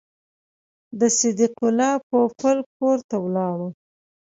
د صدیق الله پوپل کور ته ولاړو.